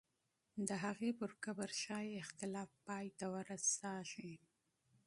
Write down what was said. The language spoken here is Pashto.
د هغې پر قبر ښایي اختلاف پای ته ورسېږي.